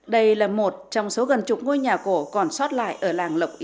đây là một trong số gần chục ngôi nhà cổ còn sót lại ở làng lộc yên